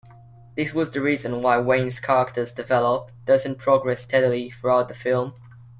This was the reason why Wayne's character's develop doesn't progress steadily throughout the film.